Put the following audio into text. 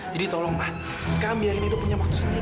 jadi tolong ma sekarang biarkan edo punya waktu sendiri